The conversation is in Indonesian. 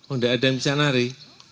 oh gak ada yang bisa nari